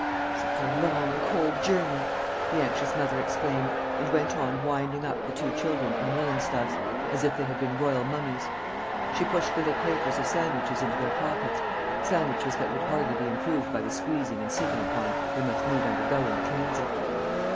"Such a long cold journey!" the anxious mother exclaimed, and went on winding up the two children in woollen stuffs, as if they had been royal mummies. She pushed little papers of sandwiches into their pockets sandwiches that would hardly be improved by the squeezing and sitting upon they must need undergo in the transit.